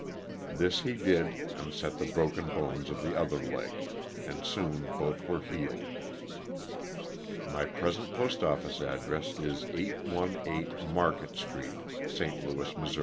This he did and sefc the broken bones of the other leg, and soon both were healed. My present postoffice address is 818 Market street, St. Louis, Mo. L.